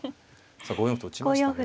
さあ５四歩と打ちましたね。